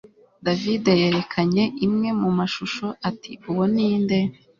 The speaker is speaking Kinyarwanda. davide yerekanye imwe mu mashusho ati uwo ni nde